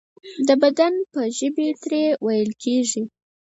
د بدن په ژبې ترې ویل کیږي.